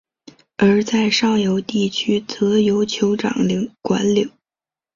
而在上游地区则由酋长管领。